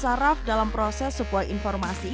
saraf dalam proses sebuah informasi